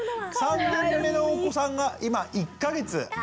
３人目のお子さんが今１か月。